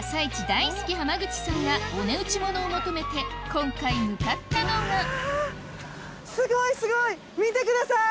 大好き浜口さんがお値打ちものを求めて今回向かったのが見てください！